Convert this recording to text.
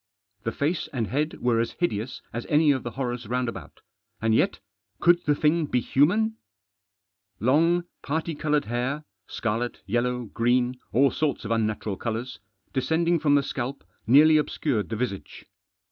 The face and head were as hideous as any of the horrors round about, and yet — could the thing be Digitized by THE THRONE IN THE CENTRE. 247 human? Long parti coloured hair — scarlet, yellow, green, all sorts of unnatural colours — descending from the scalp nearly obscured the visage.